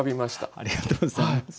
ありがとうございます。